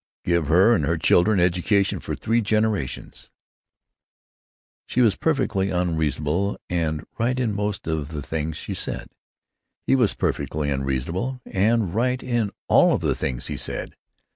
"Give her and her children education for three generations——" She was perfectly unreasonable, and right in most of the things she said. He was perfectly unreasonable, and right in all of the things he said.